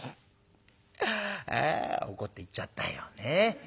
「ああ怒って行っちゃったよ。